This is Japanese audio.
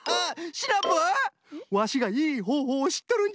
シナプーワシがいいほうほうをしっとるんじゃ！